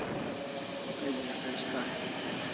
Page refresh kari